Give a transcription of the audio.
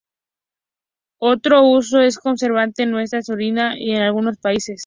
Otro uso es como conservante en muestras de orina, en algunos países.